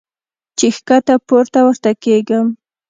چې ښکته پورته ورته کېږم -